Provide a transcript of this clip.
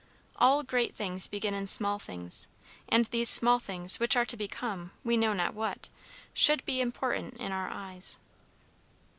All great things begin in small things; and these small things which are to become we know not what, should be important in our eyes.